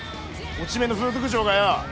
落ち目の風俗嬢がよ。